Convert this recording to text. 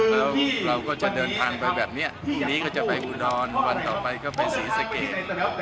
แล้วเราก็จะเดินทางไปแบบนี้พรุ่งนี้ก็จะไปอุดรวันต่อไปก็ไปศรีสะเกด